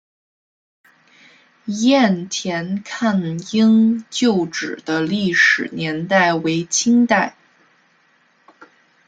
雁田抗英旧址的历史年代为清代。